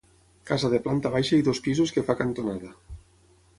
Casa de planta baixa i dos pisos que fa cantonada.